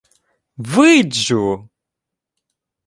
— Виджу.